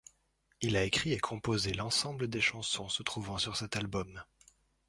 Il a écrit et composé l'ensemble des chansons se trouvant sur cet album.